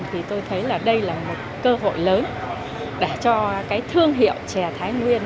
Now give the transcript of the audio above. thì tôi thấy là đây là một cơ hội lớn để cho cái thương hiệu chè thái nguyên